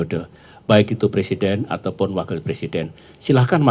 dari dari dari rigam